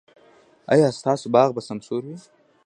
ایا ستاسو باغ به سمسور وي؟